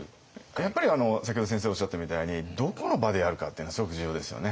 やっぱり先ほど先生おっしゃったみたいにどこの場でやるかっていうのはすごく重要ですよね。